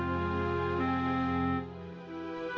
mereka gak mau belajar